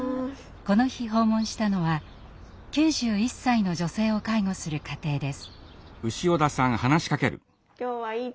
この日訪問したのは９１歳の女性を介護する家庭です。